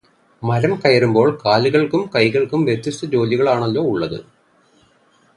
മരം കയറുമ്പോൾ കാലുകൾകും കൈകൾകും വ്യത്യസ്ത ജോലികളാണല്ലോ ഉള്ളത്.